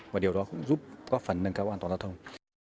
và điều đó cũng giúp góp phần nâng cao an toàn giao thông